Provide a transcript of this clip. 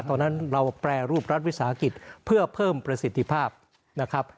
ตอนนั้นเราแปรรูปรัฐวิสาหกิจเพื่อเพิ่มประสิทธิภาพนะครับ